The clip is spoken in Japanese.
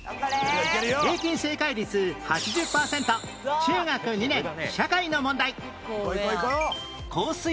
平均正解率８０パーセント中学２年社会の問題